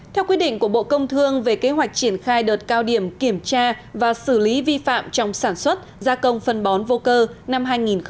theo quyết định của bộ công thương về kế hoạch triển khai đợt cao điểm kiểm tra và xử lý vi phạm trong sản xuất gia công phân bón vô cơ năm hai nghìn hai mươi